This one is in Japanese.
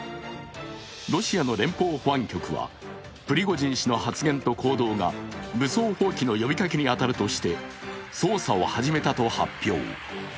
ロシアの連邦保安局はプリゴジン氏の発言と行動が武装蜂起の呼びかけに当たるとして捜査を始めたと発表。